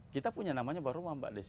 kita punya namanya baroma mbak desi